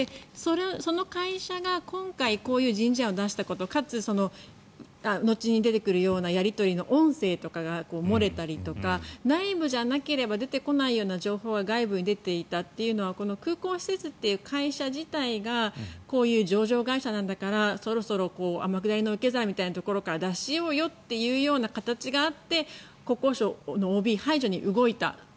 その会社が今回こういう人事案を出したことかつ、後に出てくるようなやり取りの音声とかが漏れたりとか内部じゃなければ出てこないような情報が外部に出ていたというのは空港施設という会社自体がこういう上場会社なんだからそろそろ天下りの受け皿みたいなところから脱しようよという形があって国交省のＯＢ排除に動いた。